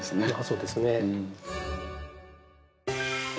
そうですね。